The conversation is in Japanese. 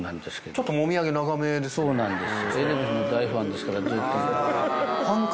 そうなんです。